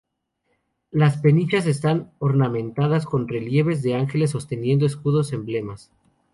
Las pechinas estás ornamentadas con relieves de ángeles sosteniendo escudos-emblemas.